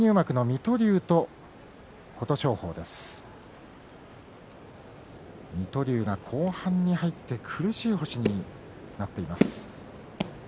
水戸龍が後半に入って苦しい星になっています。